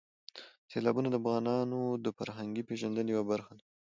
سیلابونه د افغانانو د فرهنګي پیژندنې یوه برخه ده.